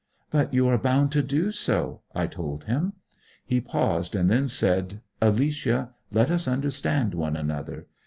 'But you are bound to do so,' I told him. He paused, and then said, 'Alicia, let us understand each other.